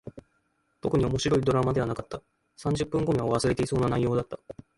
特に面白いドラマではなかった。三十分後には忘れていそうな内容だった。